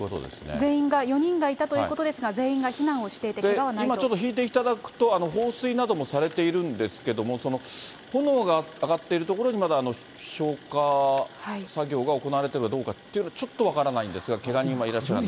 全員が、４人がいたということが、全員が避難をしていて、け今ちょっと引いていただくと、放水などもされているんですけども、その炎が上がっている所に、消火作業が行われるかどうかっていうのは、ちょっと分からないんですが、けが人はいらっしゃらない。